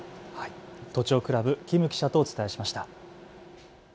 都庁クラブ金記者とお伝えしました。